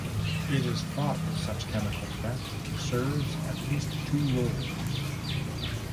It is thought that such chemical theft serves at least two roles.